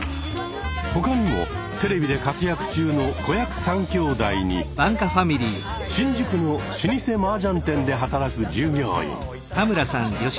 他にもテレビで活躍中の子役３きょうだいに新宿の老舗マージャン店で働く従業員。